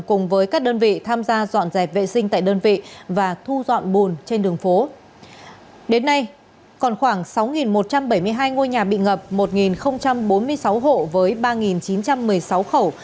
cùng với các đơn vị tham gia dọn dẹp vệ sinh tại đơn vị và thu dọn bùn trên đường phố đến nay còn khoảng sáu một trăm bảy mươi hai ngôi nhà bị ngập một bốn mươi sáu hộ với ba chín trăm một mươi sáu khẩu